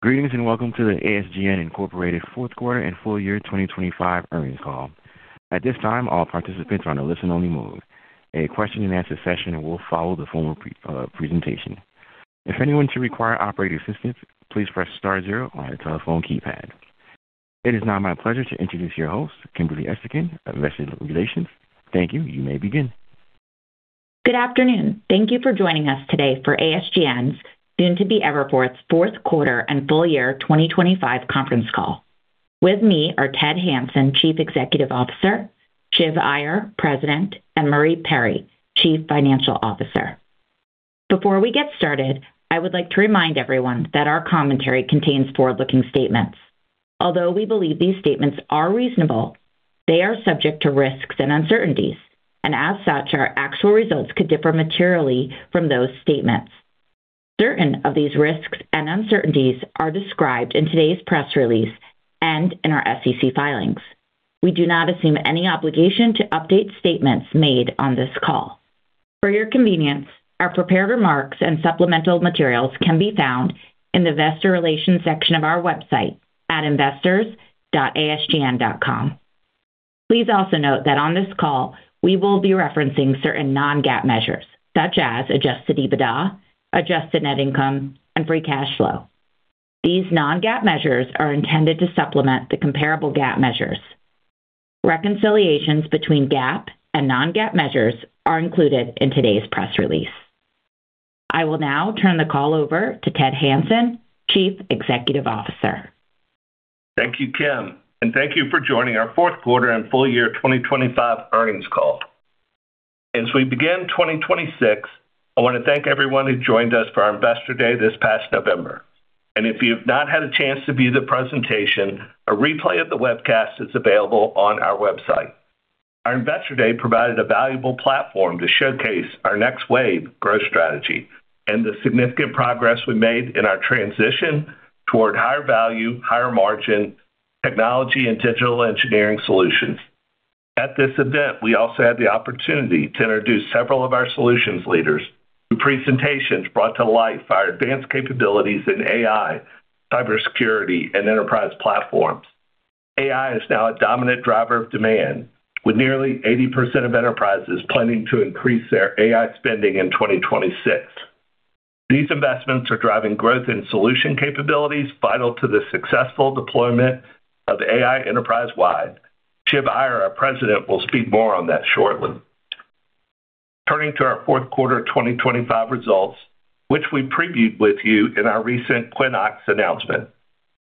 Greetings, and welcome to the ASGN Incorporated Fourth Quarter and Full Year 2025 Earnings Call. At this time, all participants are on a listen-only mode. A question-and-answer session will follow the formal presentation. If anyone should require operator assistance, please press star zero on your telephone keypad. It is now my pleasure to introduce your host, Kimberly Esterkin of Investor Relations. Thank you. You may begin. Good afternoon. Thank you for joining us today for ASGN's, soon to be Everforth, Fourth Quarter and Full Year 2025 Conference Call. With me are Ted Hanson, Chief Executive Officer, Shiv Iyer, President, and Marie Perry, Chief Financial Officer. Before we get started, I would like to remind everyone that our commentary contains forward-looking statements. Although we believe these statements are reasonable, they are subject to risks and uncertainties, and as such, our actual results could differ materially from those statements. Certain of these risks and uncertainties are described in today's press release and in our SEC filings. We do not assume any obligation to update statements made on this call. For your convenience, our prepared remarks and supplemental materials can be found in the Investor Relations section of our website at investors.asgn.com. Please also note that on this call, we will be referencing certain non-GAAP measures such as adjusted EBITDA, adjusted net income, and free cash flow. These non-GAAP measures are intended to supplement the comparable GAAP measures. Reconciliations between GAAP and non-GAAP measures are included in today's press release. I will now turn the call over to Ted Hanson, Chief Executive Officer. Thank you, Kim, and thank you for joining our Fourth Quarter and Full Year 2025 Earnings Call. As we begin 2026, I want to thank everyone who joined us for our Investor Day this past November. And if you've not had a chance to view the presentation, a replay of the webcast is available on our website. Our Investor Day provided a valuable platform to showcase our next wave growth strategy and the significant progress we made in our transition toward higher value, higher margin, technology, and digital engineering solutions. At this event, we also had the opportunity to introduce several of our solutions leaders, whose presentations brought to light our advanced capabilities in AI, cybersecurity, and enterprise platforms. AI is now a dominant driver of demand, with nearly 80% of enterprises planning to increase their AI spending in 2026. These investments are driving growth in solution capabilities vital to the successful deployment of AI enterprise-wide. Shiv Iyer, our president, will speak more on that shortly. Turning to our fourth quarter 2025 results, which we previewed with you in our recent Quinnox announcement,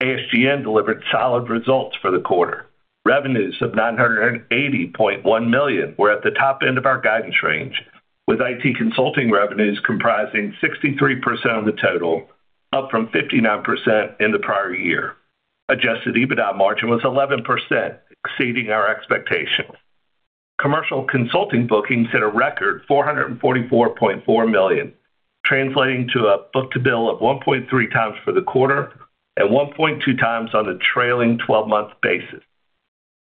ASGN delivered solid results for the quarter. Revenues of $980.1 million were at the top end of our guidance range, with IT consulting revenues comprising 63% of the total, up from 59% in the prior year. Adjusted EBITDA margin was 11%, exceeding our expectations. Commercial consulting bookings hit a record $444.4 million, translating to a book-to-bill of 1.3x for the quarter and 1.2x on a trailing 12-month basis.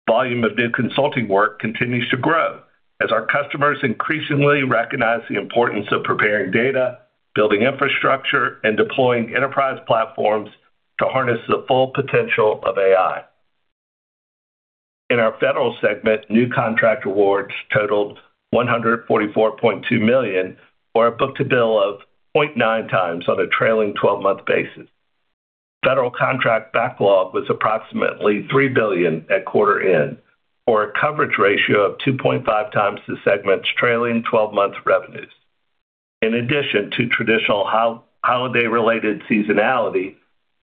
Volume of new consulting work continues to grow as our customers increasingly recognize the importance of preparing data, building infrastructure, and deploying enterprise platforms to harness the full potential of AI. In our federal segment, new contract awards totaled $144.2 million, or a book-to-bill of 0.9x on a trailing 12-month basis. Federal contract backlog was approximately $3 billion at quarter end, or a coverage ratio of 2.5x the segment's trailing 12-month revenues. In addition to traditional holiday-related seasonality,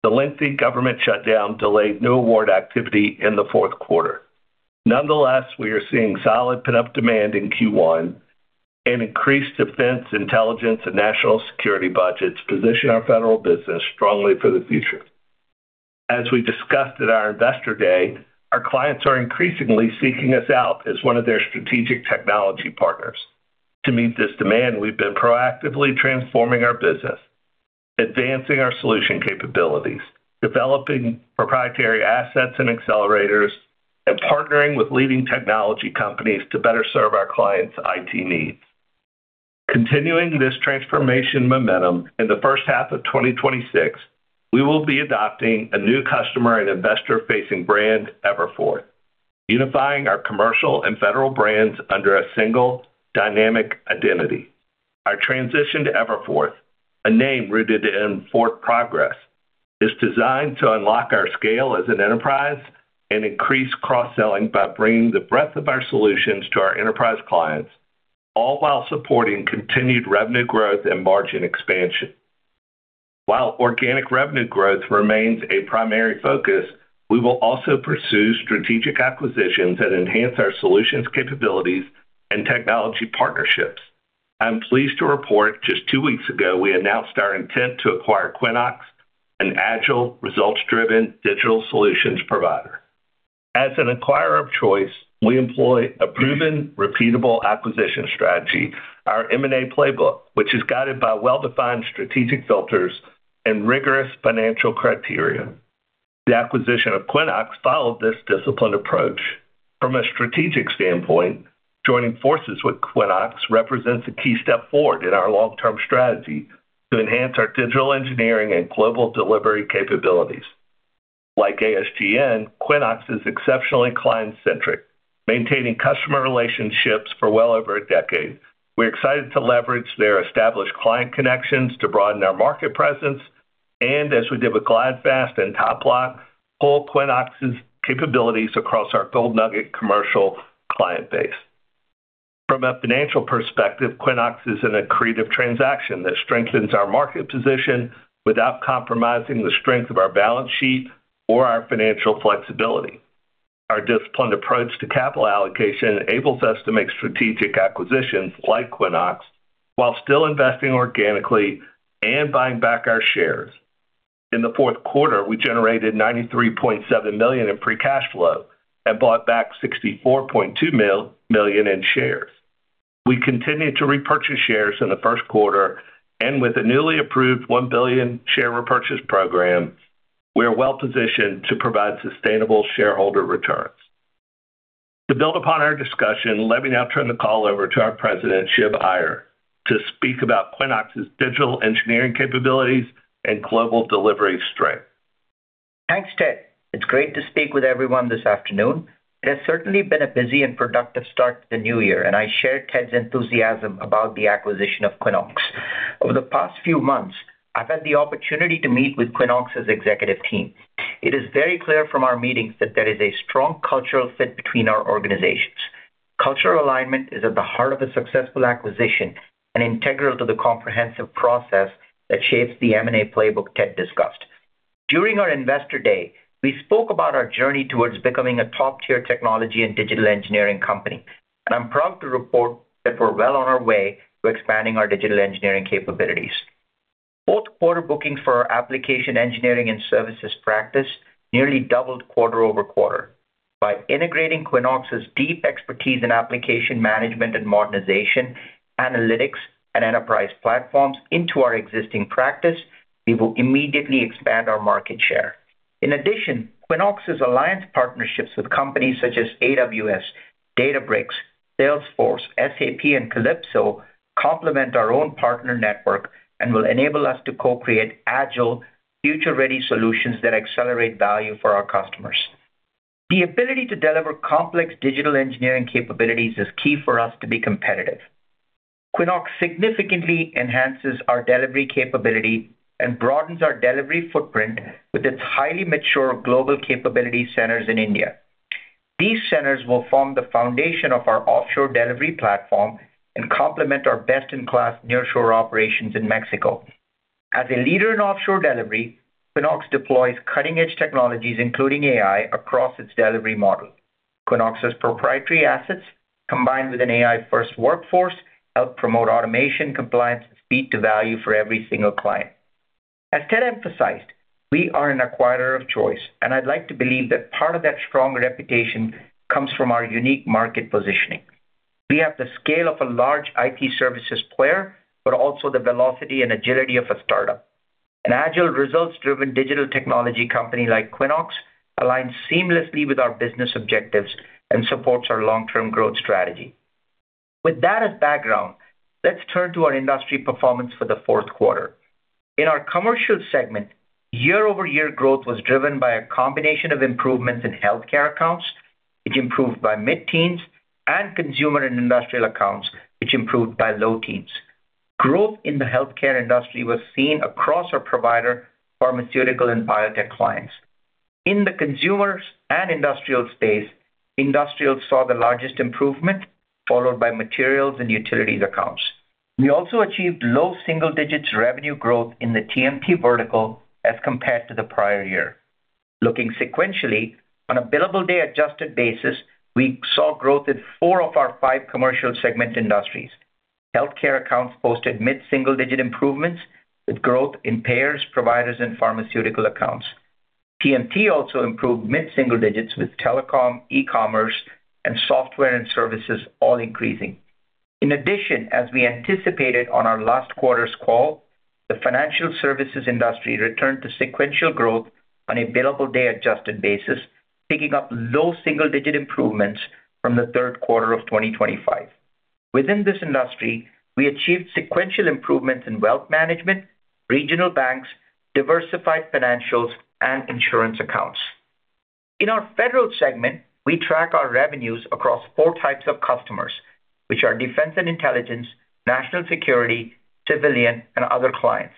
the lengthy government shutdown delayed new award activity in the fourth quarter. Nonetheless, we are seeing solid pent-up demand in Q1, and increased defense, intelligence, and national security budgets position our federal business strongly for the future. As we discussed at our Investor Day, our clients are increasingly seeking us out as one of their strategic technology partners. To meet this demand, we've been proactively transforming our business, advancing our solution capabilities, developing proprietary assets and accelerators, and partnering with leading technology companies to better serve our clients' IT needs. Continuing this transformation momentum in the first half of 2026, we will be adopting a new customer and investor-facing brand, Everforth, unifying our commercial and federal brands under a single dynamic identity. Our transition to Everforth, a name rooted in forth progress, is designed to unlock our scale as an enterprise and increase cross-selling by bringing the breadth of our solutions to our enterprise clients, all while supporting continued revenue growth and margin expansion. While organic revenue growth remains a primary focus, we will also pursue strategic acquisitions that enhance our solutions, capabilities, and technology partnerships. I'm pleased to report just two weeks ago, we announced our intent to acquire Quinnox, an agile, results-driven digital solutions provider. As an acquirer of choice, we employ a proven, repeatable acquisition strategy, our M&A playbook, which is guided by well-defined strategic filters and rigorous financial criteria. The acquisition of Quinnox followed this disciplined approach. From a strategic standpoint, joining forces with Quinnox represents a key step forward in our long-term strategy to enhance our digital engineering and global delivery capabilities. Like ASGN, Quinnox is exceptionally client-centric, maintaining customer relationships for well over a decade. We're excited to leverage their established client connections to broaden our market presence, and as we did with GlideFast and TopBloc, pull Quinnox's capabilities across our gold nugget commercial client base. From a financial perspective, Quinnox is an accretive transaction that strengthens our market position without compromising the strength of our balance sheet or our financial flexibility. Our disciplined approach to capital allocation enables us to make strategic acquisitions like Quinnox, while still investing organically and buying back our shares. In the fourth quarter, we generated $93.7 million in free cash flow and bought back $64.2 million in shares. We continued to repurchase shares in the first quarter, and with a newly approved $1 billion share repurchase program, we are well-positioned to provide sustainable shareholder returns. To build upon our discussion, let me now turn the call over to our President, Shiv Iyer, to speak about Quinnox's digital engineering capabilities and global delivery strength. Thanks, Ted. It's great to speak with everyone this afternoon. It has certainly been a busy and productive start to the new year, and I share Ted's enthusiasm about the acquisition of Quinnox. Over the past few months, I've had the opportunity to meet with Quinnox's executive team. It is very clear from our meetings that there is a strong cultural fit between our organizations. Cultural alignment is at the heart of a successful acquisition and integral to the comprehensive process that shapes the M&A playbook Ted discussed. During our Investor Day, we spoke about our journey towards becoming a top-tier technology and digital engineering company, and I'm proud to report that we're well on our way to expanding our digital engineering capabilities. Fourth quarter bookings for our application engineering and services practice nearly doubled quarter-over-quarter. By integrating Quinnox's deep expertise in application management and modernization, analytics, and enterprise platforms into our existing practice, we will immediately expand our market share. In addition, Quinnox's alliance partnerships with companies such as AWS, Databricks, Salesforce, SAP, and Calypso complement our own partner network and will enable us to co-create agile, future-ready solutions that accelerate value for our customers. The ability to deliver complex digital engineering capabilities is key for us to be competitive. Quinnox significantly enhances our delivery capability and broadens our delivery footprint with its highly mature global capability centers in India. These centers will form the foundation of our offshore delivery platform and complement our best-in-class nearshore operations in Mexico. As a leader in offshore delivery, Quinnox deploys cutting-edge technologies, including AI, across its delivery model. Quinnox's proprietary assets, combined with an AI-first workforce, help promote automation, compliance, and speed to value for every single client. As Ted emphasized, we are an acquirer of choice, and I'd like to believe that part of that strong reputation comes from our unique market positioning. We have the scale of a large IT services player, but also the velocity and agility of a startup. An agile, results-driven digital technology company like Quinnox aligns seamlessly with our business objectives and supports our long-term growth strategy. With that as background, let's turn to our industry performance for the fourth quarter. In our commercial segment, year-over-year growth was driven by a combination of improvements in healthcare accounts, which improved by mid-teens, and consumer and industrial accounts, which improved by low teens. Growth in the healthcare industry was seen across our provider, pharmaceutical, and biotech clients. In the consumer and industrial space, industrial saw the largest improvement, followed by materials and utilities accounts. We also achieved low single digits revenue growth in the TMT vertical as compared to the prior year. Looking sequentially, on a billable day adjusted basis, we saw growth in four of our five commercial segment industries. Healthcare accounts posted mid-single-digit improvements, with growth in payers, providers, and pharmaceutical accounts. TMT also improved mid-single digits, with telecom, e-commerce, and software and services all increasing. In addition, as we anticipated on our last quarter's call, the financial services industry returned to sequential growth on a billable day adjusted basis, picking up low single-digit improvements from the third quarter of 2025. Within this industry, we achieved sequential improvements in wealth management, regional banks, diversified financials, and insurance accounts. In our federal segment, we track our revenues across four types of customers, which are defense and intelligence, national security, civilian, and other clients.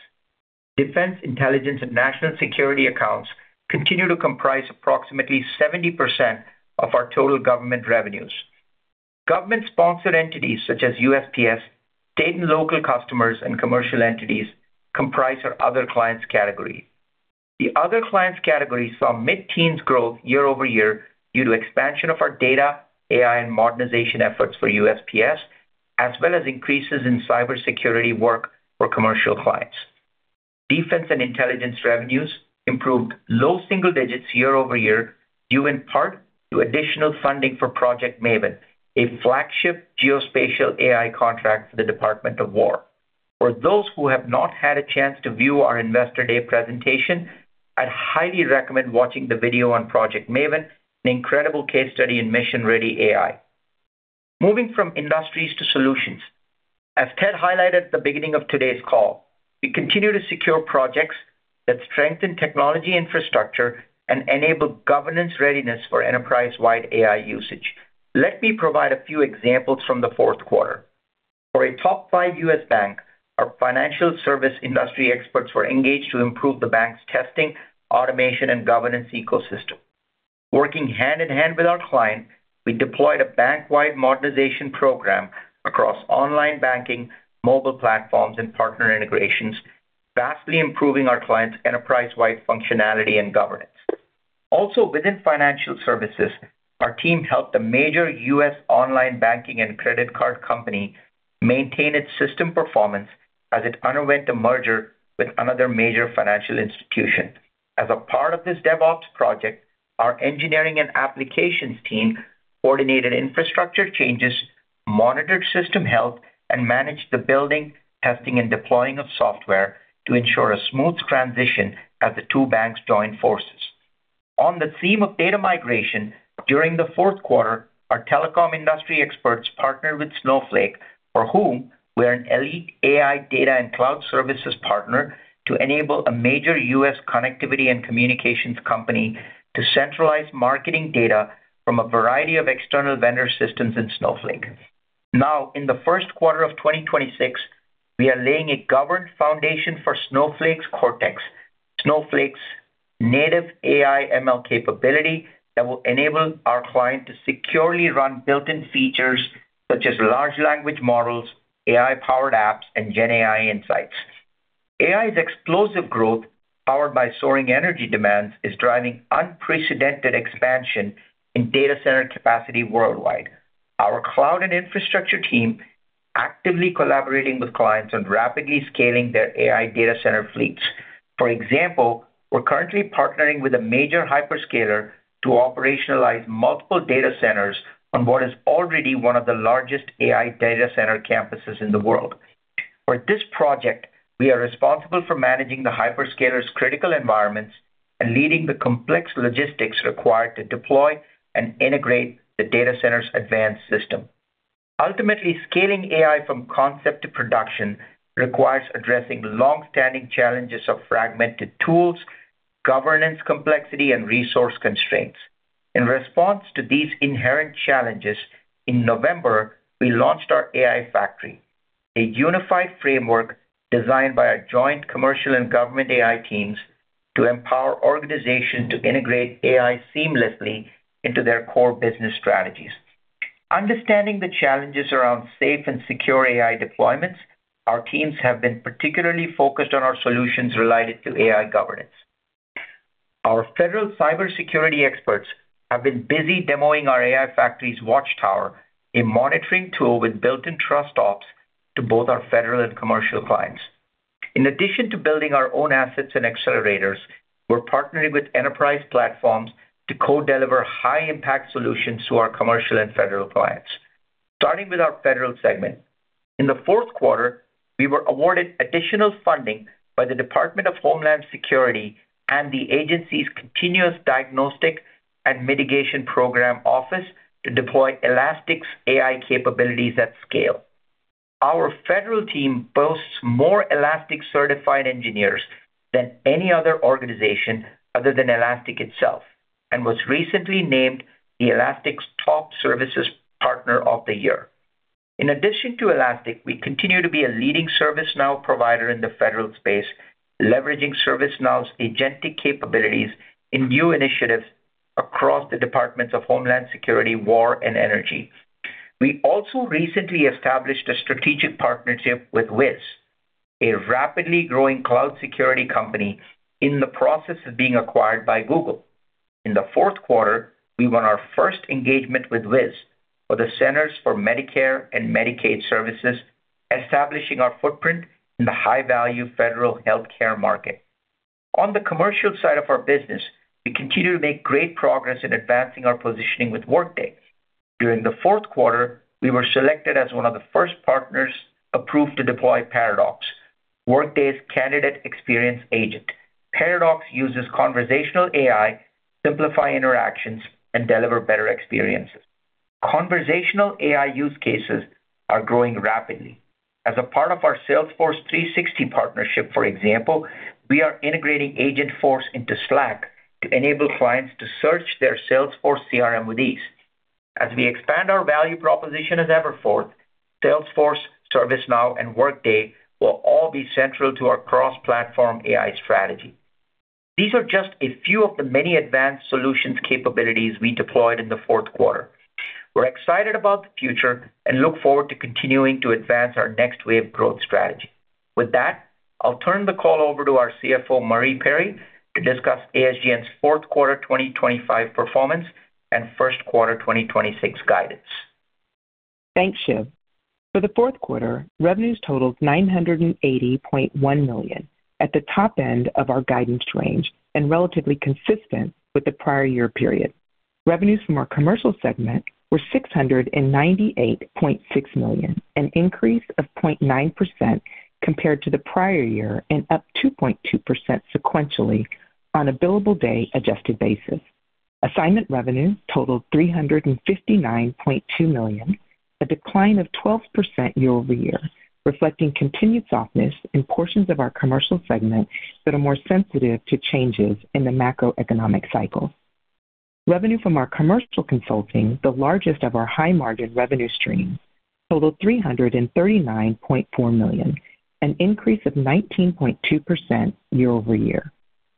Defense, intelligence, and national security accounts continue to comprise approximately 70% of our total government revenues. Government-sponsored entities such as USPS, state and local customers, and commercial entities comprise our other clients category. The other clients category saw mid-teens growth year-over-year due to expansion of our data, AI, and modernization efforts for USPS, as well as increases in cybersecurity work for commercial clients. Defense and intelligence revenues improved low single digits year-over-year, due in part to additional funding for Project Maven, a flagship geospatial AI contract for the Department of War. For those who have not had a chance to view our Investor Day presentation, I'd highly recommend watching the video on Project Maven, an incredible case study in mission-ready AI. Moving from industries to solutions, as Ted highlighted at the beginning of today's call, we continue to secure projects that strengthen technology infrastructure and enable governance readiness for enterprise-wide AI usage. Let me provide a few examples from the fourth quarter. For a top five U.S. bank, our financial service industry experts were engaged to improve the bank's testing, automation, and governance ecosystem. Working hand in hand with our client, we deployed a bank-wide modernization program across online banking, mobile platforms, and partner integrations, vastly improving our client's enterprise-wide functionality and governance. Also, within financial services, our team helped a major U.S. online banking and credit card company maintain its system performance as it underwent a merger with another major financial institution. As a part of this DevOps project, our engineering and applications team coordinated infrastructure changes, monitored system health, and managed the building, testing, and deploying of software to ensure a smooth transition as the two banks joined forces. On the theme of data migration, during the fourth quarter, our telecom industry experts partnered with Snowflake, for whom we are an elite AI data and cloud services partner, to enable a major U.S. connectivity and communications company to centralize marketing data from a variety of external vendor systems in Snowflake. Now, in the first quarter of 2026, we are laying a governed foundation for Snowflake's Cortex, Snowflake's native AI ML capability that will enable our client to securely run built-in features such as large language models, AI-powered apps, and GenAI insights. AI's explosive growth, powered by soaring energy demands, is driving unprecedented expansion in data center capacity worldwide. Our cloud and infrastructure team actively collaborating with clients on rapidly scaling their AI data center fleets. For example, we're currently partnering with a major hyperscaler to operationalize multiple data centers on what is already one of the largest AI data center campuses in the world. For this project, we are responsible for managing the hyperscaler's critical environments and leading the complex logistics required to deploy and integrate the data center's advanced system. Ultimately, scaling AI from concept to production requires addressing long-standing challenges of fragmented tools, governance complexity, and resource constraints. In response to these inherent challenges, in November, we launched our AI Factory, a unified framework designed by our joint commercial and government AI teams to empower organizations to integrate AI seamlessly into their core business strategies. Understanding the challenges around safe and secure AI deployments, our teams have been particularly focused on our solutions related to AI governance. Our federal cybersecurity experts have been busy demoing our AI Factory's Watchtower, a monitoring tool with built-in TrustOps, to both our federal and commercial clients. In addition to building our own assets and accelerators, we're partnering with enterprise platforms to co-deliver high-impact solutions to our commercial and federal clients. Starting with our federal segment, in the fourth quarter, we were awarded additional funding by the Department of Homeland Security and the agency's Continuous Diagnostic and Mitigation Program Office to deploy Elastic's AI capabilities at scale. Our federal team boasts more Elastic-certified engineers than any other organization other than Elastic itself, and was recently named Elastic's Top Services Partner of the Year. In addition to Elastic, we continue to be a leading ServiceNow provider in the federal space, leveraging ServiceNow's agentic capabilities in new initiatives across the Departments of Homeland Security, War, and Energy. We also recently established a strategic partnership with Wiz, a rapidly growing cloud security company in the process of being acquired by Google. In the fourth quarter, we won our first engagement with Wiz for the Centers for Medicare and Medicaid Services, establishing our footprint in the high-value federal healthcare market. On the commercial side of our business, we continue to make great progress in advancing our positioning with Workday. During the fourth quarter, we were selected as one of the first partners approved to deploy Paradox, Workday's candidate experience agent. Paradox uses conversational AI, simplify interactions, and deliver better experiences. Conversational AI use cases are growing rapidly. As a part of our Salesforce 360 partnership, for example, we are integrating Agentforce into Slack to enable clients to search their Salesforce CRM with ease. As we expand our value proposition as Everforth, Salesforce, ServiceNow, and Workday will all be central to our cross-platform AI strategy. These are just a few of the many advanced solutions capabilities we deployed in the fourth quarter. We're excited about the future and look forward to continuing to advance our next wave growth strategy. With that, I'll turn the call over to our CFO, Marie Perry, to discuss ASGN's fourth quarter 2025 performance and first quarter 2026 guidance. Thanks, Shiv. For the fourth quarter, revenues totaled $980.1 million, at the top end of our guidance range and relatively consistent with the prior year period... Revenues from our commercial segment were $698.6 million, an increase of 0.9% compared to the prior year and up 2.2% sequentially on a billable day adjusted basis. Assignment revenue totaled $359.2 million, a decline of 12% year-over-year, reflecting continued softness in portions of our commercial segment that are more sensitive to changes in the macroeconomic cycle. Revenue from our commercial consulting, the largest of our high-margin revenue streams, totaled $339.4 million, an increase of 19.2% year-over-year.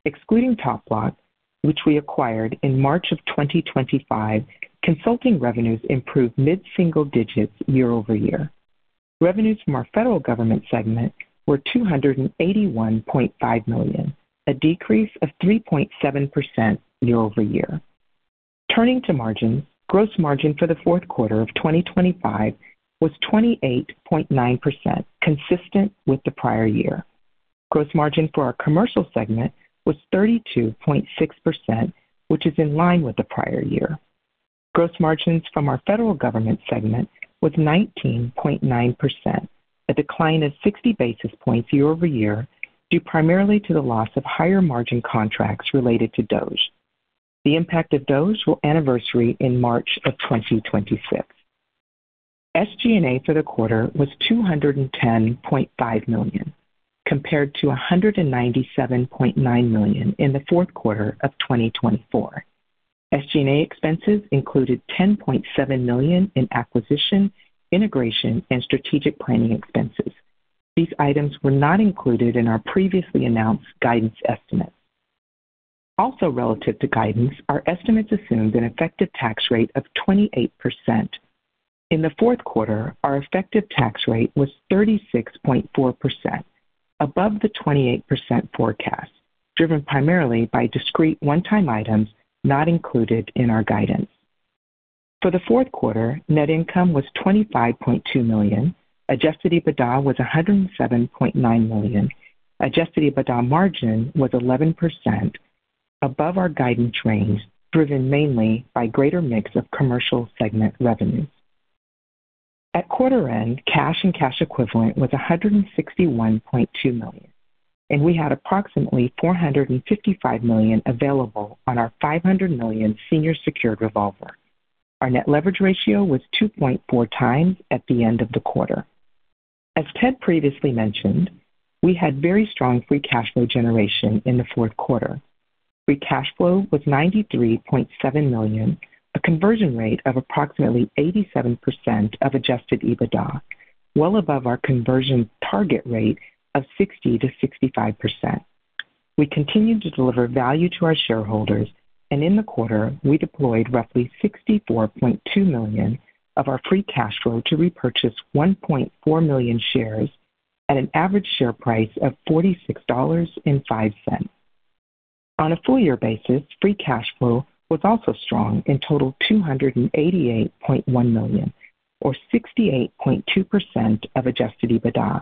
Excluding TopBloc, which we acquired in March 2025, consulting revenues improved mid-single digits year-over-year. Revenues from our federal government segment were $281.5 million, a decrease of 3.7% year-over-year. Turning to margins. Gross margin for the fourth quarter of 2025 was 28.9%, consistent with the prior year. Gross margin for our commercial segment was 32.6%, which is in line with the prior year. Gross margins from our federal government segment was 19.9%, a decline of 60 basis points year-over-year, due primarily to the loss of higher-margin contracts related to DOGE. The impact of DOGE will anniversary in March of 2026. SG&A for the quarter was $210.5 million, compared to $197.9 million in the fourth quarter of 2024. SG&A expenses included $10.7 million in acquisition, integration, and strategic planning expenses. These items were not included in our previously announced guidance estimates. Also, relative to guidance, our estimates assumed an effective tax rate of 28%. In the fourth quarter, our effective tax rate was 36.4%, above the 28% forecast, driven primarily by discrete one-time items not included in our guidance. For the fourth quarter, net income was $25.2 million. Adjusted EBITDA was $107.9 million. Adjusted EBITDA margin was 11% above our guidance range, driven mainly by greater mix of commercial segment revenue. At quarter end, cash and cash equivalent was $161.2 million, and we had approximately $455 million available on our $500 million senior secured revolver. Our net leverage ratio was 2.4x at the end of the quarter. As Ted previously mentioned, we had very strong free cash flow generation in the fourth quarter. Free cash flow was $93.7 million, a conversion rate of approximately 87% of adjusted EBITDA, well above our conversion target rate of 60%-65%. We continue to deliver value to our shareholders, and in the quarter, we deployed roughly $64.2 million of our free cash flow to repurchase 1.4 million shares at an average share price of $46.05. On a full year basis, free cash flow was also strong and totaled $288.1 million, or 68.2% of adjusted EBITDA.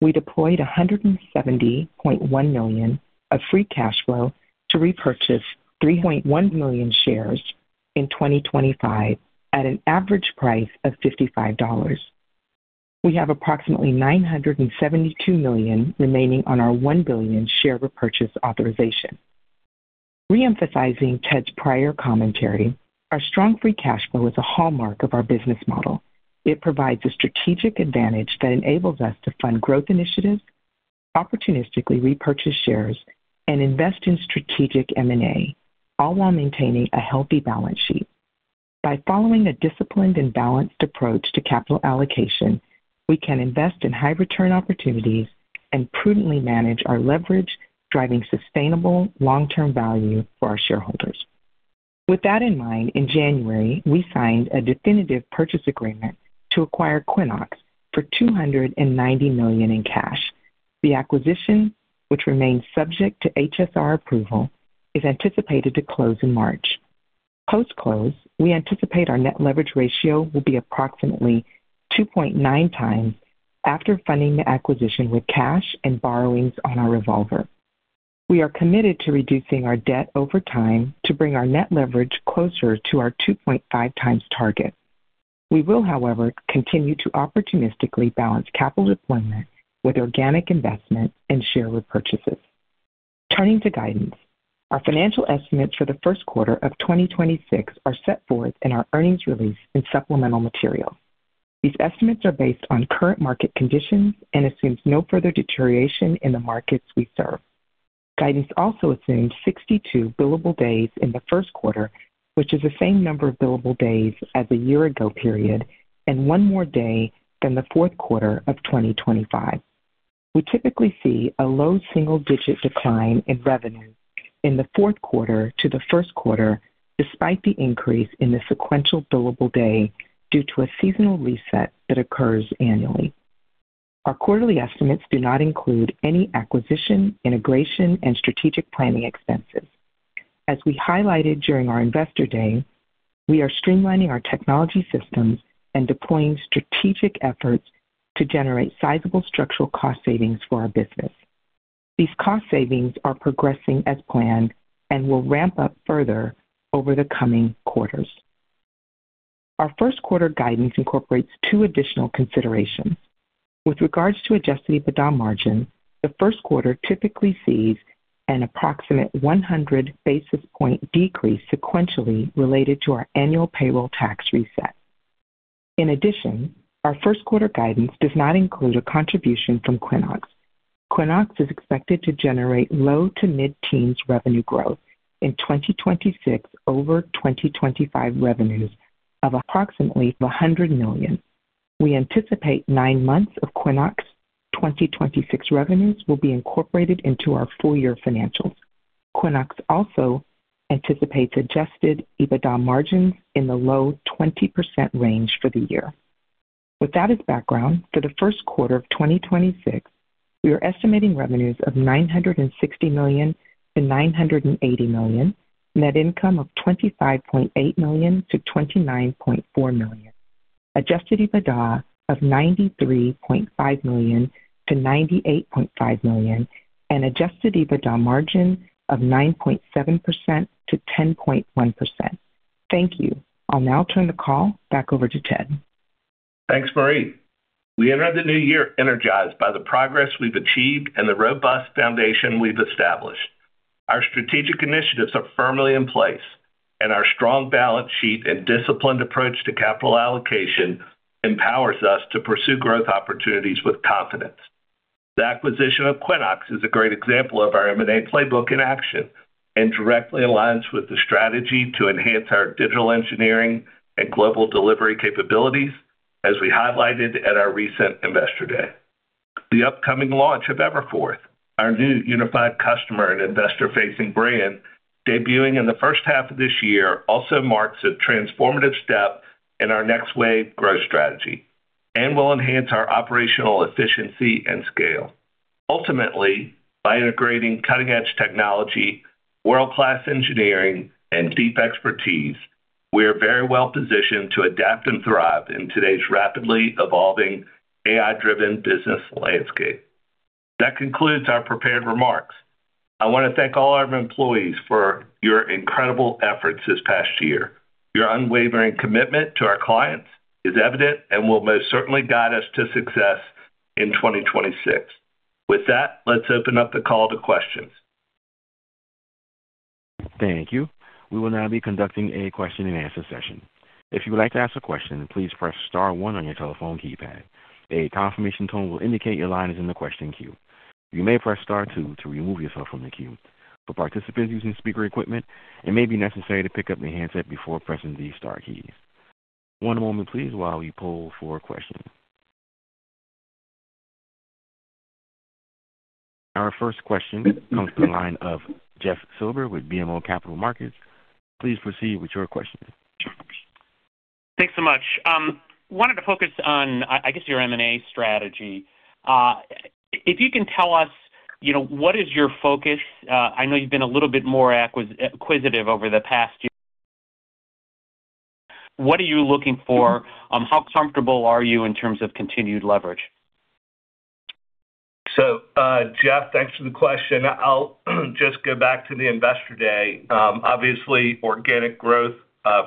We deployed $170.1 million of free cash flow to repurchase 3.1 million shares in 2025 at an average price of $55. We have approximately $972 million remaining on our $1 billion share repurchase authorization. Re-emphasizing Ted's prior commentary, our strong free cash flow is a hallmark of our business model. It provides a strategic advantage that enables us to fund growth initiatives, opportunistically repurchase shares, and invest in strategic M&A, all while maintaining a healthy balance sheet. By following a disciplined and balanced approach to capital allocation, we can invest in high return opportunities and prudently manage our leverage, driving sustainable long-term value for our shareholders. With that in mind, in January, we signed a definitive purchase agreement to acquire Quinnox for $290 million in cash. The acquisition, which remains subject to HSR approval, is anticipated to close in March. Post-close, we anticipate our net leverage ratio will be approximately 2.9x after funding the acquisition with cash and borrowings on our revolver. We are committed to reducing our debt over time to bring our net leverage closer to our 2.5x target. We will, however, continue to opportunistically balance capital deployment with organic investment and share repurchases. Turning to guidance. Our financial estimates for the first quarter of 2026 are set forth in our earnings release and supplemental material. These estimates are based on current market conditions and assumes no further deterioration in the markets we serve. Guidance also assumes 62 billable days in the first quarter, which is the same number of billable days as the year ago period and one more day than the fourth quarter of 2025. We typically see a low single-digit decline in revenue in the fourth quarter to the first quarter, despite the increase in the sequential billable day, due to a seasonal reset that occurs annually. Our quarterly estimates do not include any acquisition, integration, and strategic planning expenses. As we highlighted during our Investor Day, we are streamlining our technology systems and deploying strategic efforts to generate sizable structural cost savings for our business. These cost savings are progressing as planned and will ramp up further over the coming quarters. Our first quarter guidance incorporates two additional considerations. With regards to adjusted EBITDA margin, the first quarter typically sees an approximate 100 basis points decrease sequentially related to our annual payroll tax reset. In addition, our first quarter guidance does not include a contribution from Quinnox. Quinnox is expected to generate low- to mid-teens revenue growth in 2026 over 2025 revenues of approximately $100 million. We anticipate nine months of Quinnox 2026 revenues will be incorporated into our full year financials. Quinnox also anticipates adjusted EBITDA margins in the low 20% range for the year. With that as background, for the first quarter of 2026, we are estimating revenues of $960 million-$980 million, net income of $25.8 million-$29.4 million, adjusted EBITDA of $93.5 million-$98.5 million, and adjusted EBITDA margin of 9.7%-10.1%. Thank you. I'll now turn the call back over to Ted. Thanks, Marie. We enter the new year energized by the progress we've achieved and the robust foundation we've established. Our strategic initiatives are firmly in place, and our strong balance sheet and disciplined approach to capital allocation empowers us to pursue growth opportunities with confidence. The acquisition of Quinnox is a great example of our M&A playbook in action and directly aligns with the strategy to enhance our digital engineering and global delivery capabilities, as we highlighted at our recent Investor Day. The upcoming launch of Everforth, our new unified customer and investor-facing brand, debuting in the first half of this year, also marks a transformative step in our next wave growth strategy and will enhance our operational efficiency and scale. Ultimately, by integrating cutting-edge technology, world-class engineering, and deep expertise, we are very well positioned to adapt and thrive in today's rapidly evolving AI-driven business landscape. That concludes our prepared remarks. I want to thank all our employees for your incredible efforts this past year. Your unwavering commitment to our clients is evident and will most certainly guide us to success in 2026. With that, let's open up the call to questions. Thank you. We will now be conducting a question-and-answer session. If you would like to ask a question, please press star one on your telephone keypad. A confirmation tone will indicate your line is in the question queue. You may press star two to remove yourself from the queue. For participants using speaker equipment, it may be necessary to pick up the handset before pressing the star keys. One moment, please, while we poll for a question. Our first question comes to the line of Jeff Silber with BMO Capital Markets. Please proceed with your question. Thanks so much. Wanted to focus on, I guess, your M&A strategy. If you can tell us, you know, what is your focus? I know you've been a little bit more acquisitive over the past year. What are you looking for? How comfortable are you in terms of continued leverage? So, Jeff, thanks for the question. I'll just go back to the Investor Day. Obviously, organic growth,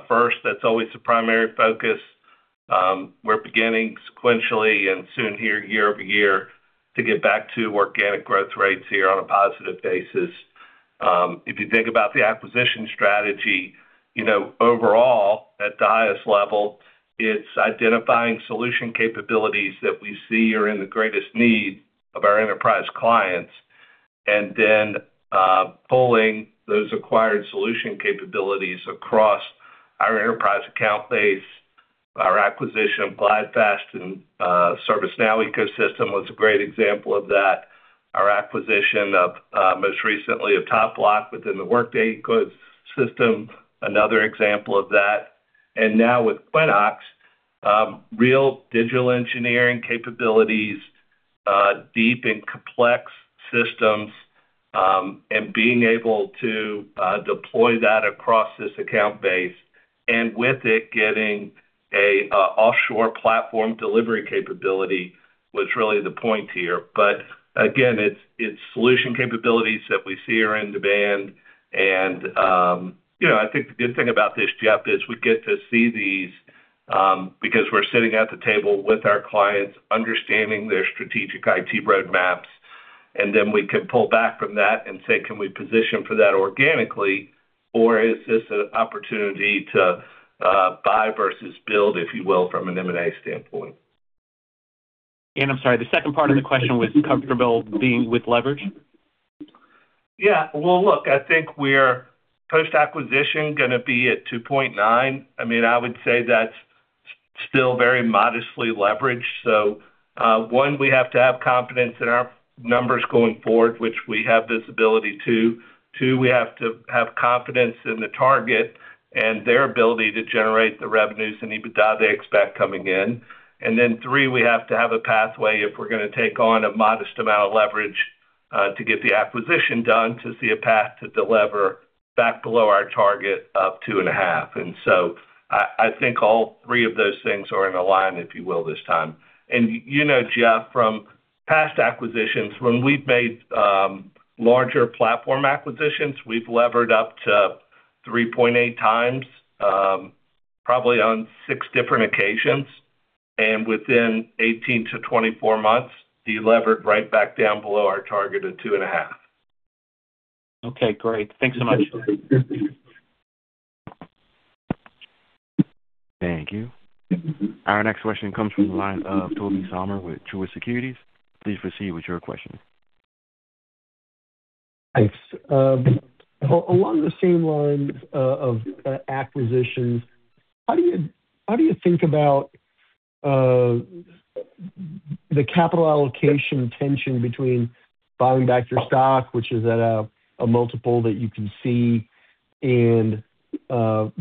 first, that's always the primary focus. We're beginning sequentially and soon here year-over-year to get back to organic growth rates here on a positive basis. If you think about the acquisition strategy, you know, overall, at the highest level, it's identifying solution capabilities that we see are in the greatest need of our enterprise clients and then, pulling those acquired solution capabilities across our enterprise account base. Our acquisition of GlideFast, ServiceNow ecosystem was a great example of that. Our acquisition of, most recently of TopBloc within the Workday ecosystem, another example of that. And now with Quinnox, real digital engineering capabilities, deep and complex systems, and being able to deploy that across this account base, and with it, getting a offshore platform delivery capability was really the point here. But again, it's, it's solution capabilities that we see are in demand. And, you know, I think the good thing about this, Jeff, is we get to see these, because we're sitting at the table with our clients, understanding their strategic IT roadmaps, and then we can pull back from that and say, "Can we position for that organically, or is this an opportunity to buy versus build," if you will, from an M&A standpoint? I'm sorry, the second part of the question was comfortable being with leverage? Yeah. Well, look, I think we're post-acquisition gonna be at 2.9. I mean, I would say that's still very modestly leveraged. So, one, we have to have confidence in our numbers going forward, which we have this ability to. Two, we have to have confidence in the target and their ability to generate the revenues and EBITDA they expect coming in. And then three, we have to have a pathway if we're gonna take on a modest amount of leverage to get the acquisition done, to see a path to delever back below our target of 2.5. And so I think all three of those things are in alignment, if you will, this time. You know, Jeff, from past acquisitions, when we've made larger platform acquisitions, we've levered up to 3.8x, probably on six different occasions, and within 18-24 months, delevered right back down below our target of 2.5. Okay, great. Thanks so much. Thank you. Our next question comes from the line of Tobey Sommer with Truist Securities. Please proceed with your question. Thanks. Along the same lines of acquisitions, how do you think about the capital allocation tension between buying back your stock, which is at a multiple that you can see, and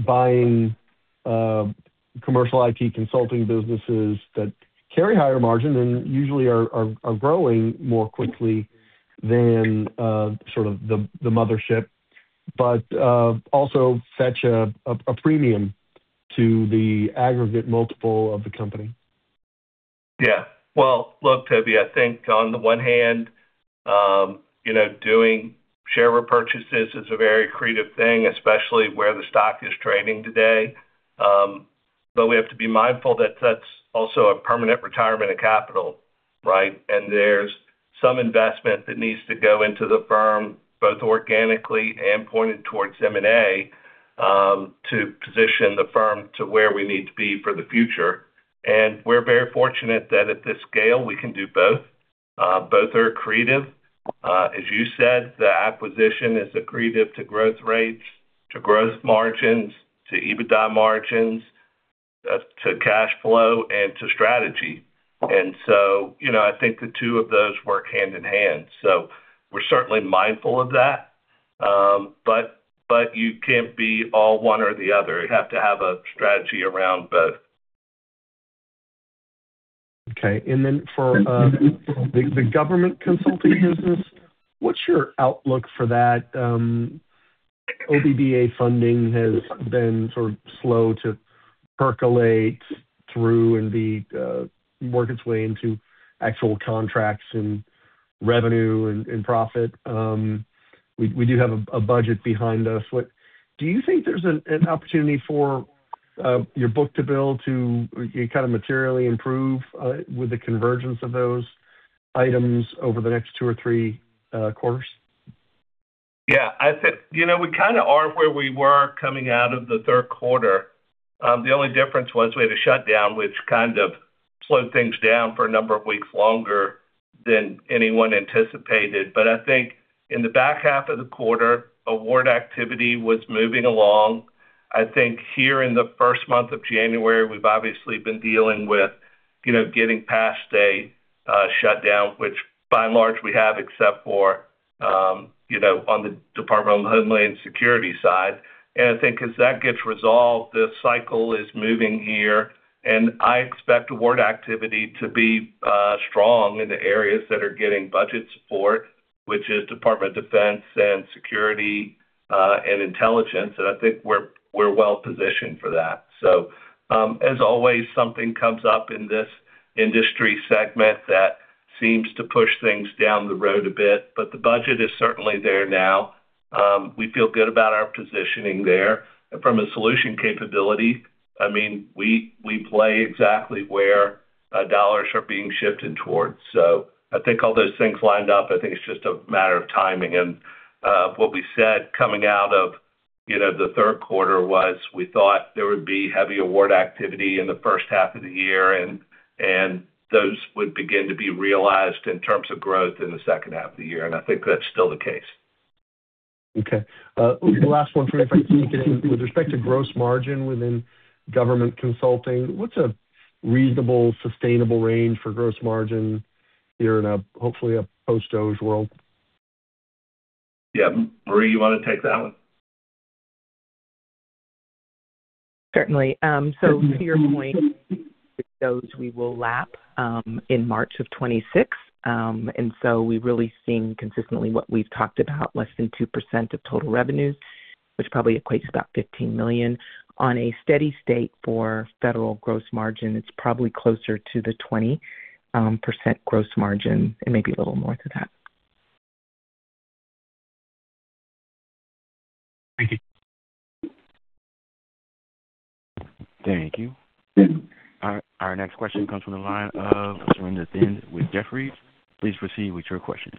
buying commercial IT consulting businesses that carry higher margin and usually are growing more quickly than sort of the mothership, but also fetch a premium to the aggregate multiple of the company? Yeah. Well, look, Tobey, I think on the one hand, you know, doing share repurchases is a very accretive thing, especially where the stock is trading today. But we have to be mindful that that's also a permanent retirement of capital, right? And there's some investment that needs to go into the firm, both organically and pointed towards M&A, to position the firm to where we need to be for the future. And we're very fortunate that at this scale, we can do both. Both are accretive. As you said, the acquisition is accretive to growth rates, to growth margins, to EBITDA margins, to cash flow, and to strategy. And so, you know, I think the two of those work hand in hand, so we're certainly mindful of that. But, but you can't be all one or the other. You have to have a strategy around both. Okay. And then for the government consulting business, what's your outlook for that? OBBA funding has been sort of slow to percolate through and work its way into actual contracts and revenue and profit. We do have a budget behind us. Do you think there's an opportunity for your book-to-bill to kind of materially improve with the convergence of those items over the next two or three quarters? Yeah, I think, you know, we kind of are where we were coming out of the third quarter. The only difference was we had a shutdown, which kind of slowed things down for a number of weeks longer than anyone anticipated. But I think in the back half of the quarter, award activity was moving along. I think here in the first month of January, we've obviously been dealing with, you know, getting past a shutdown, which by and large we have, except for, you know, on the Department of Homeland Security side. And I think as that gets resolved, the cycle is moving here, and I expect award activity to be strong in the areas that are getting budget support, which is Department of Defense and Security, and Intelligence, and I think we're well positioned for that. So, as always, something comes up in this industry segment that seems to push things down the road a bit, but the budget is certainly there now. We feel good about our positioning there. From a solution capability, I mean, we play exactly where dollars are being shifted towards. So I think all those things lined up. I think it's just a matter of timing. And what we said coming out of, you know, the third quarter was we thought there would be heavy award activity in the first half of the year, and those would begin to be realized in terms of growth in the second half of the year, and I think that's still the case. Okay. The last one for you. With respect to gross margin within government consulting, what's a reasonable, sustainable range for gross margin here in a hopefully post-DOJ world? Yeah. Marie, you want to take that one? Certainly. So to your point, those we will lap, in March of 2026. And so we're really seeing consistently what we've talked about, less than 2% of total revenues, which probably equates to about $15 million. On a steady state for federal gross margin, it's probably closer to the 20% gross margin and maybe a little more to that. Thank you. Thank you. Our next question comes from the line of Surinder Thind with Jefferies. Please proceed with your question.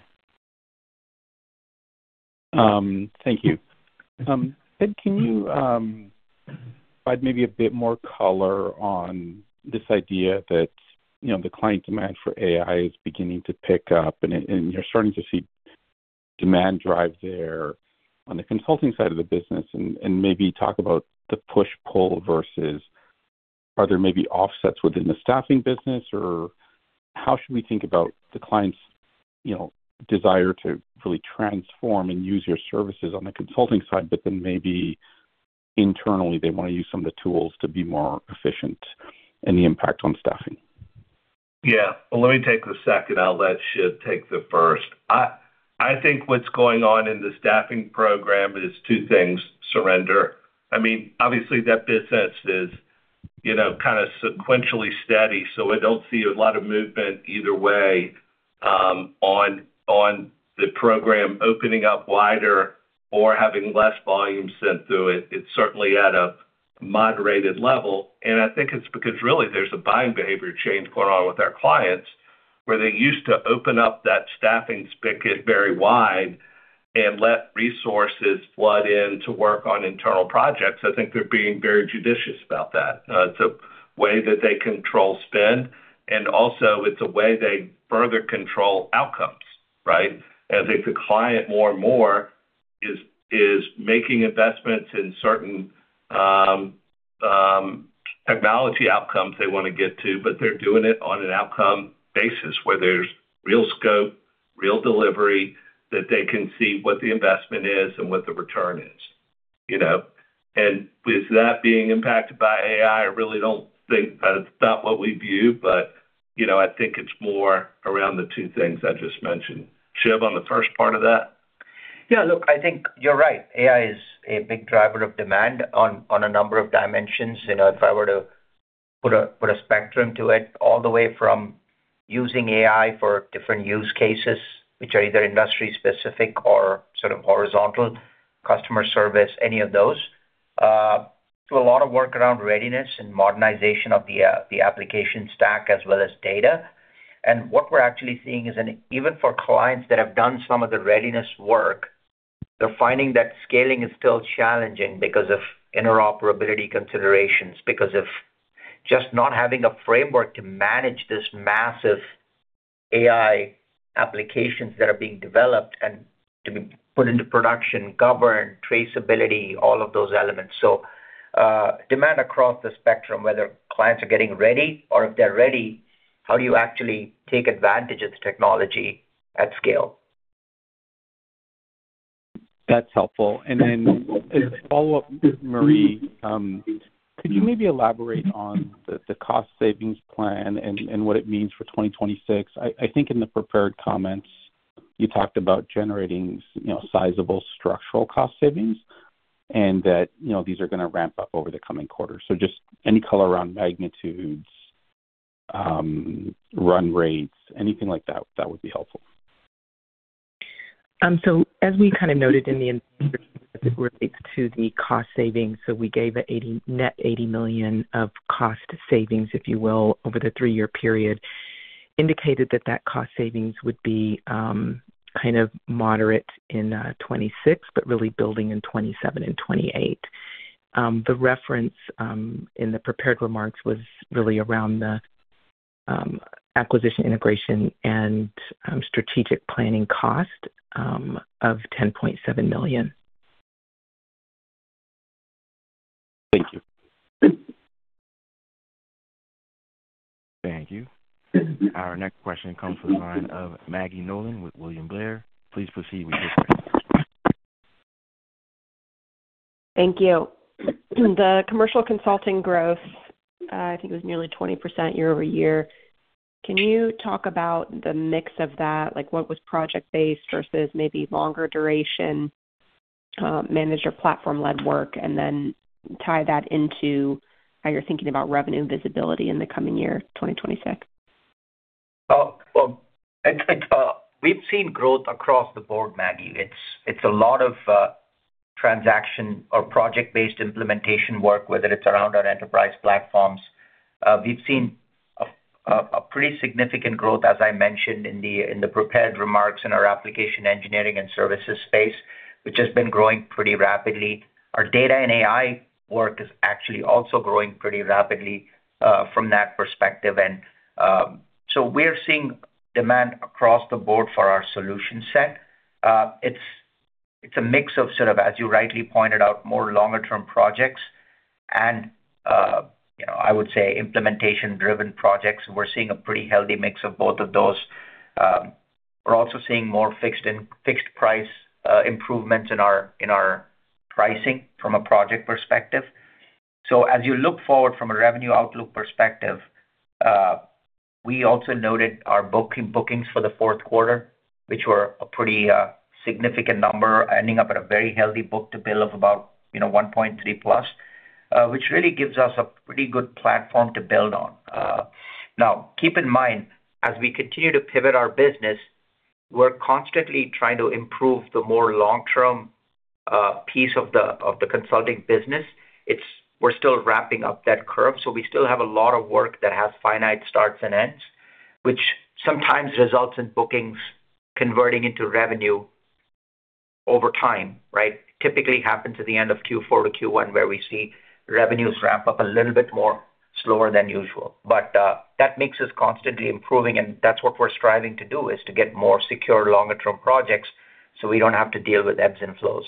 Thank you. Ted, can you provide maybe a bit more color on this idea that, you know, the client demand for AI is beginning to pick up, and you're starting to see demand drive there on the consulting side of the business, and maybe talk about the push-pull versus are there maybe offsets within the staffing business, or how should we think about the client's, you know, desire to really transform and use your services on the consulting side, but then maybe internally, they want to use some of the tools to be more efficient and the impact on staffing?... Yeah. Well, let me take the second. I'll let Shiv take the first. I think what's going on in the staffing program is two things, Surinder. I mean, obviously, that business is, you know, kind of sequentially steady, so I don't see a lot of movement either way, on, on the program opening up wider or having less volume sent through it. It's certainly at a moderated level, and I think it's because really there's a buying behavior change going on with our clients, where they used to open up that staffing spigot very wide and let resources flood in to work on internal projects. I think they're being very judicious about that. It's a way that they control spend, and also it's a way they further control outcomes, right? As the client more and more is making investments in certain technology outcomes they want to get to, but they're doing it on an outcome basis where there's real scope, real delivery, that they can see what the investment is and what the return is, you know? And is that being impacted by AI? I really don't think... That's not what we view, but, you know, I think it's more around the two things I just mentioned. Shiv, on the first part of that? Yeah, look, I think you're right. AI is a big driver of demand on a number of dimensions. You know, if I were to put a spectrum to it, all the way from using AI for different use cases, which are either industry specific or sort of horizontal, customer service, any of those, to a lot of work around readiness and modernization of the application stack as well as data. And what we're actually seeing is even for clients that have done some of the readiness work, they're finding that scaling is still challenging because of interoperability considerations, because of just not having a framework to manage this massive AI applications that are being developed and to be put into production, governed, traceability, all of those elements. Demand across the spectrum, whether clients are getting ready or if they're ready, how do you actually take advantage of the technology at scale? That's helpful. Then as a follow-up, Marie, could you maybe elaborate on the cost savings plan and what it means for 2026? I think in the prepared comments you talked about generating, you know, sizable structural cost savings and that, you know, these are gonna ramp up over the coming quarters. So just any color around magnitudes, run rates, anything like that, that would be helpful. So as we kind of noted in relation to the cost savings, so we gave a net $80 million of cost savings, if you will, over the three-year period, indicated that that cost savings would be kind of moderate in 2026, but really building in 2027 and 2028. The reference in the prepared remarks was really around the acquisition, integration, and strategic planning cost of $10.7 million. Thank you. Thank you. Our next question comes from the line of Maggie Nolan with William Blair. Please proceed with your question. Thank you. The commercial consulting growth, I think it was nearly 20% year-over-year. Can you talk about the mix of that? Like, what was project-based versus maybe longer duration, managed or platform-led work, and then tie that into how you're thinking about revenue visibility in the coming year, 2026. Oh, well, it's like, we've seen growth across the board, Maggie. It's a lot of transaction or project-based implementation work, whether it's around our enterprise platforms. We've seen a pretty significant growth, as I mentioned in the prepared remarks in our application engineering and services space, which has been growing pretty rapidly. Our data and AI work is actually also growing pretty rapidly, from that perspective. And, so we're seeing demand across the board for our solution set. It's a mix of sort of, as you rightly pointed out, more longer-term projects and, you know, I would say implementation-driven projects. We're seeing a pretty healthy mix of both of those. We're also seeing more fixed price improvements in our pricing from a project perspective. So as you look forward from a revenue outlook perspective, we also noted our bookings for the fourth quarter, which were a pretty significant number, ending up at a very healthy book-to-bill of about, you know, 1.3+, which really gives us a pretty good platform to build on. Now, keep in mind, as we continue to pivot our business, we're constantly trying to improve the more long-term piece of the consulting business. We're still ramping up that curve, so we still have a lot of work that has finite starts and ends, which sometimes results in bookings converting into revenue over time, right? Typically happens at the end of Q4 to Q1, where we see revenues ramp up a little bit more slower than usual. But, that makes us constantly improving, and that's what we're striving to do, is to get more secure, longer-term projects, so we don't have to deal with ebbs and flows.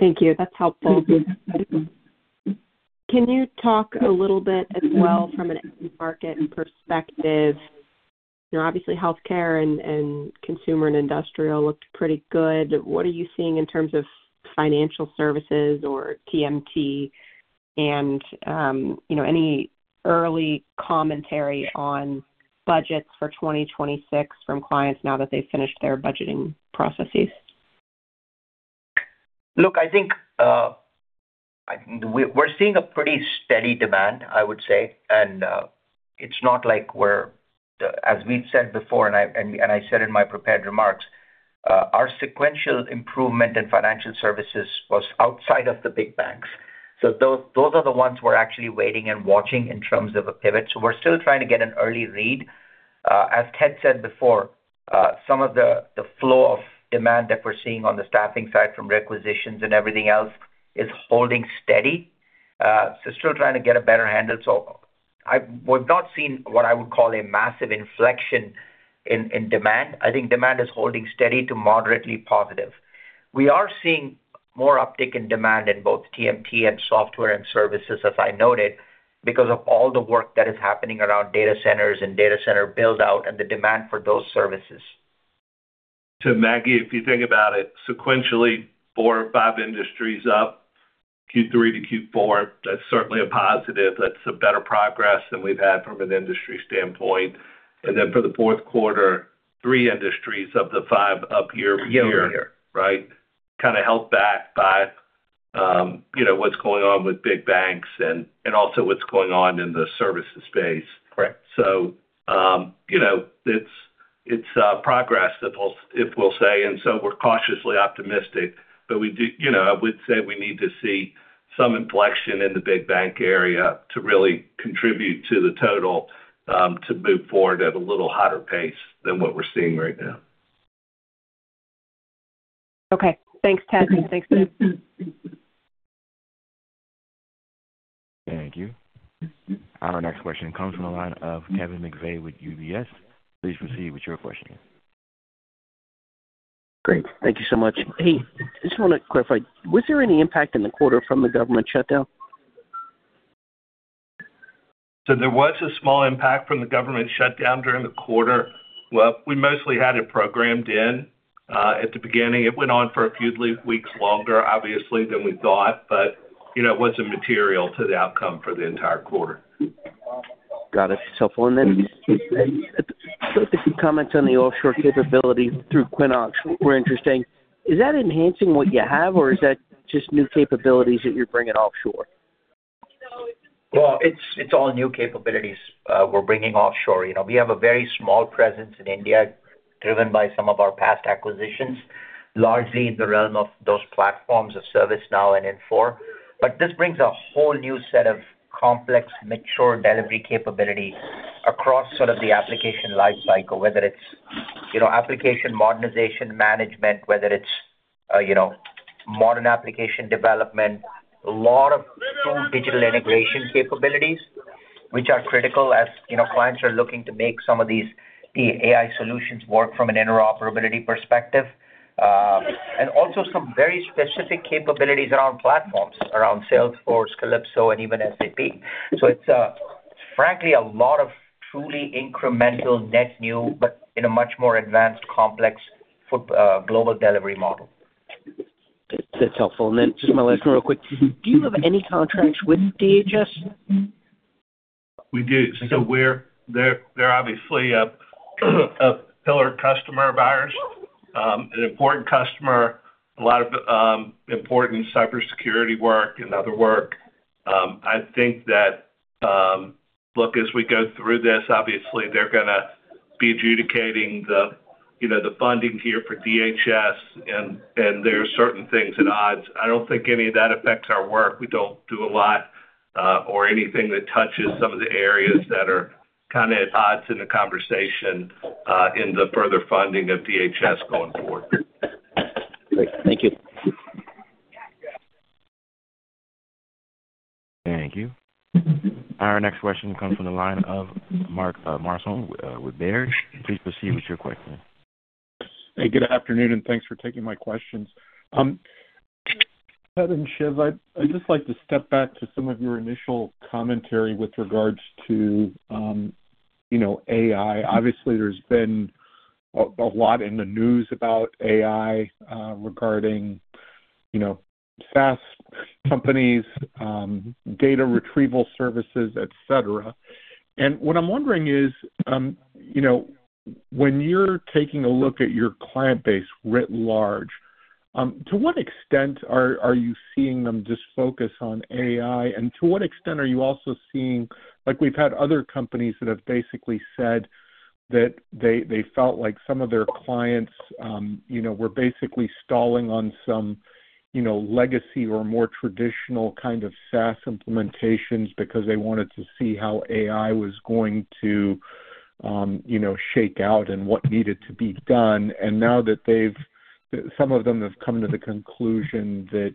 Thank you. That's helpful. Can you talk a little bit as well from an end market perspective? Now, obviously, healthcare and consumer and industrial looked pretty good. What are you seeing in terms of financial services or TMT? And, you know, any early commentary on budgets for 2026 from clients now that they've finished their budgeting processes? Look, I think we’re seeing a pretty steady demand, I would say. It’s not like we’re, as we’ve said before, and I, and I said in my prepared remarks, our sequential improvement in financial services was outside of the big banks. So those, those are the ones we’re actually waiting and watching in terms of a pivot. So we’re still trying to get an early read. As Ted said before, some of the, the flow of demand that we’re seeing on the staffing side from requisitions and everything else is holding steady. So still trying to get a better handle. So we’ve not seen what I would call a massive inflection in, in demand. I think demand is holding steady to moderately positive. We are seeing more uptick in demand in both TMT and software and services, as I noted, because of all the work that is happening around data centers and data center build-out and the demand for those services. So, Maggie, if you think about it sequentially, four or five industries up Q3 to Q4, that's certainly a positive. That's a better progress than we've had from an industry standpoint. And then for the fourth quarter, three industries of the five up year-over-year. Year-over-year. Right? Kind of held back by, you know, what's going on with big banks and, and also what's going on in the services space. Correct. So, you know, it's progress, if we'll say, and so we're cautiously optimistic. But we do, you know, I would say we need to see some inflection in the big bank area to really contribute to the total, to move forward at a little hotter pace than what we're seeing right now. Okay. Thanks, Ted, and thanks, Shiv. Thank you. Our next question comes from the line of Kevin McVeigh with UBS. Please proceed with your question. Great. Thank you so much. Hey, I just want to clarify, was there any impact in the quarter from the government shutdown? There was a small impact from the government shutdown during the quarter. Well, we mostly had it programmed in, at the beginning. It went on for a few weeks longer, obviously, than we thought, but, you know, it wasn't material to the outcome for the entire quarter. Got it. It's helpful. And then a few comments on the offshore capabilities through Quinnox were interesting. Is that enhancing what you have, or is that just new capabilities that you're bringing offshore? Well, it's all new capabilities we're bringing offshore. You know, we have a very small presence in India, driven by some of our past acquisitions, largely in the realm of those platforms of ServiceNow and Infor. But this brings a whole new set of complex, mature delivery capabilities across sort of the application lifecycle, whether it's, you know, application modernization management, whether it's, you know, modern application development, a lot of digital integration capabilities, which are critical as, you know, clients are looking to make some of these, the AI solutions work from an interoperability perspective. And also some very specific capabilities around platforms, around Salesforce, Calypso, and even SAP. So it's, frankly, a lot of truly incremental net new, but in a much more advanced, complex global delivery model. That's helpful. And then just my last one real quick: Do you have any contracts with DHS? We do. So they're obviously a pillar customer of ours, an important customer, a lot of important cybersecurity work and other work. I think that, look, as we go through this, obviously they're gonna be adjudicating the, you know, the funding here for DHS, and there are certain things at odds. I don't think any of that affects our work. We don't do a lot, or anything that touches some of the areas that are kind of at odds in the conversation, in the further funding of DHS going forward. Great. Thank you. Thank you. Our next question comes from the line of Mark Marcon with Baird. Please proceed with your question. Hey, good afternoon, and thanks for taking my questions. Ted and Shiv, I'd just like to step back to some of your initial commentary with regards to, you know, AI. Obviously, there's been a lot in the news about AI regarding, you know, SaaS companies, data retrieval services, et cetera. And what I'm wondering is, you know, when you're taking a look at your client base writ large, to what extent are you seeing them just focus on AI? And to what extent are you also seeing... Like, we've had other companies that have basically said that they felt like some of their clients, you know, were basically stalling on some, you know, legacy or more traditional kind of SaaS implementations because they wanted to see how AI was going to, you know, shake out and what needed to be done. And now that they've, some of them have come to the conclusion that,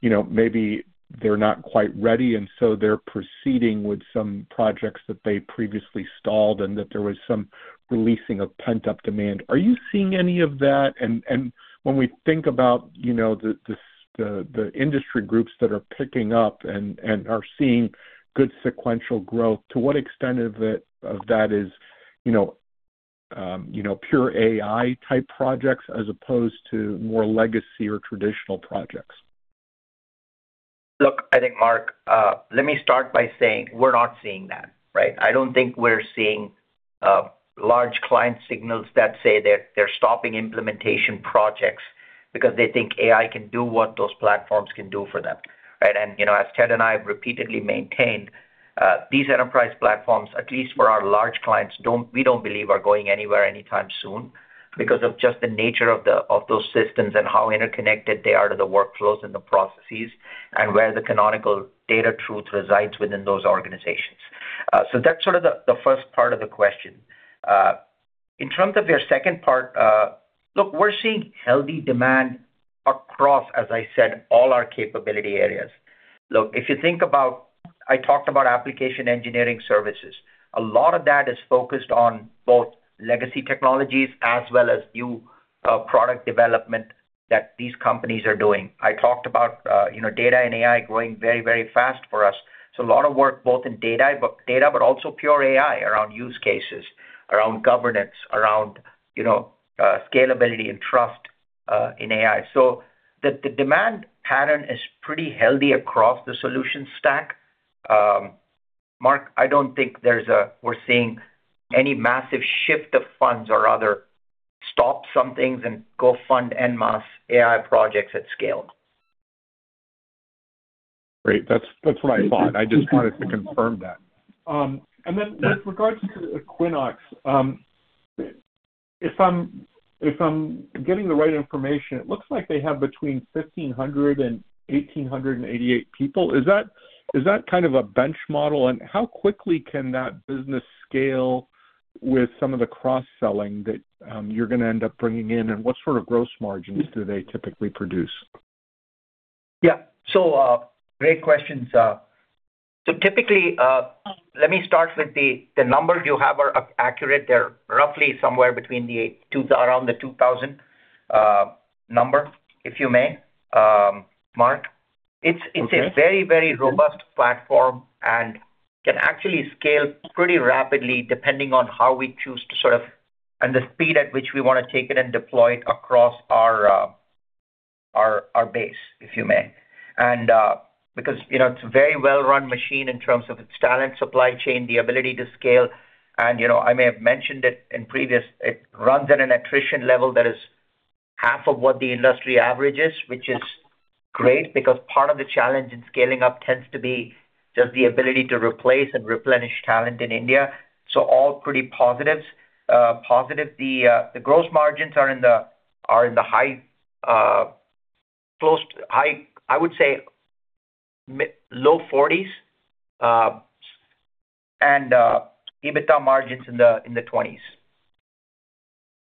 you know, maybe they're not quite ready, and so they're proceeding with some projects that they previously stalled and that there was some releasing of pent-up demand. Are you seeing any of that? And when we think about, you know, the industry groups that are picking up and are seeing good sequential growth, to what extent of it, of that is, you know... you know, pure AI-type projects as opposed to more legacy or traditional projects? Look, I think, Mark, let me start by saying we're not seeing that, right? I don't think we're seeing large client signals that say that they're stopping implementation projects because they think AI can do what those platforms can do for them, right? And, you know, as Ted and I have repeatedly maintained, these enterprise platforms, at least for our large clients, don't, we don't believe are going anywhere anytime soon because of just the nature of the, of those systems and how interconnected they are to the workflows and the processes and where the canonical data truth resides within those organizations. So that's sort of the first part of the question. In terms of your second part, look, we're seeing healthy demand across, as I said, all our capability areas. Look, if you think about... I talked about application engineering services. A lot of that is focused on both legacy technologies as well as new, product development that these companies are doing. I talked about, you know, data and AI growing very, very fast for us. So a lot of work, both in data, but data, but also pure AI, around use cases, around governance, around, you know, scalability and trust, in AI. So the demand pattern is pretty healthy across the solution stack. Mark, I don't think there's a-- we're seeing any massive shift of funds or other, stop some things and go fund en masse AI projects at scale. Great. That's, that's what I thought. I just wanted to confirm that. Then with regards to Quinnox, if I'm getting the right information, it looks like they have between 1,500 and 1,888 people. Is that kind of a bench model? And how quickly can that business scale with some of the cross-selling that you're gonna end up bringing in? And what sort of gross margins do they typically produce? Yeah. So, great questions. So typically, let me start with the numbers you have are accurate. They're roughly somewhere between the two, around the 2,000 number, if you may, Mark. It's- Okay. It's a very, very robust platform and can actually scale pretty rapidly depending on how we choose to sort of, and the speed at which we wanna take it and deploy it across our, our base, if you may. And, because, you know, it's a very well-run machine in terms of its talent supply chain, the ability to scale. And, you know, I may have mentioned it in previous, it runs at an attrition level that is half of what the industry average is, which is great, because part of the challenge in scaling up tends to be just the ability to replace and replenish talent in India. So all pretty positives, positive. The, the gross margins are in the, are in the high, close to high, I would say, mid... low forties, and, EBITDA margins in the, in the twenties.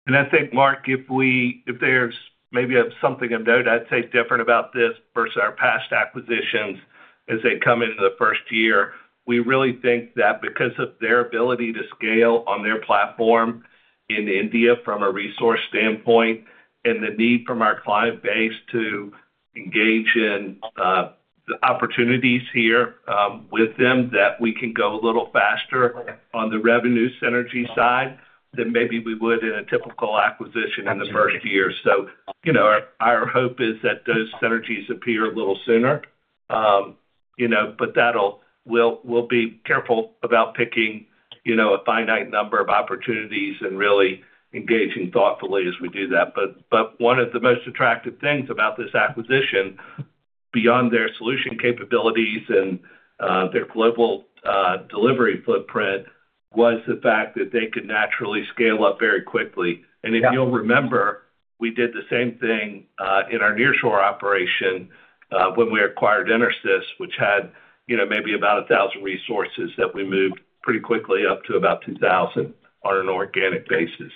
I think, Mark, if there's maybe something of note, I'd say different about this versus our past acquisitions as they come into the first year, we really think that because of their ability to scale on their platform in India from a resource standpoint, and the need from our client base to engage in the opportunities here with them, that we can go a little faster on the revenue synergy side than maybe we would in a typical acquisition in the first year. So, you know, our hope is that those synergies appear a little sooner. You know, but that'll... We'll be careful about picking, you know, a finite number of opportunities and really engaging thoughtfully as we do that. But one of the most attractive things about this acquisition, beyond their solution capabilities and their global delivery footprint, was the fact that they could naturally scale up very quickly. Yeah. And if you'll remember, we did the same thing in our nearshore operation when we acquired Intersys, which had, you know, maybe about 1,000 resources that we moved pretty quickly up to about 2,000 on an organic basis.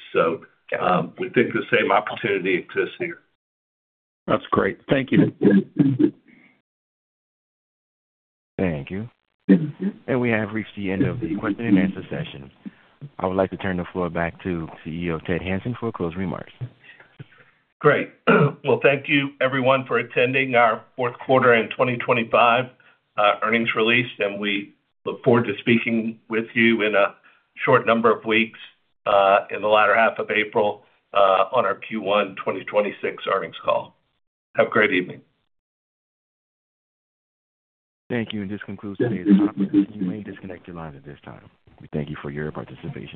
We think the same opportunity exists here. That's great. Thank you. Thank you. We have reached the end of the question and answer session. I would like to turn the floor back to CEO, Ted Hanson, for closing remarks. Great. Well, thank you everyone for attending our fourth quarter in 2025 earnings release, and we look forward to speaking with you in a short number of weeks, in the latter half of April, on our Q1 2026 earnings call. Have a great evening. Thank you, and this concludes today's conference. You may disconnect your lines at this time. We thank you for your participation.